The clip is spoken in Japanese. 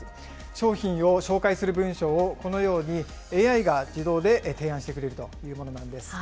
商品を紹介する文章をこのようにＡＩが自動で提案してくれるというものなんです。